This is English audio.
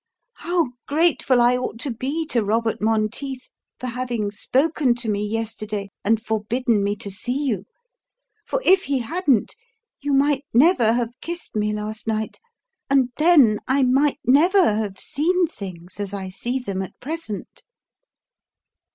How grateful I ought to be to Robert Monteith for having spoken to me yesterday and forbidden me to see you! for if he hadn't, you might never have kissed me last night, and then I might never have seen things as I see them at present."